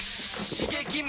刺激！